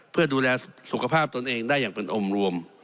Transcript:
เพื่อดูแลสุขภาพตนเองได้อย่างเป็นอมรวม